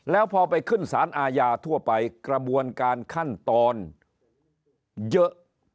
แล้วพอไปขึ้นสารอาญาทั่วไปกระบวนการขั้นตอนเยอะ